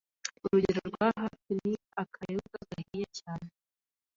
Urugero rwa hafi ni akayoga gahiye cyane!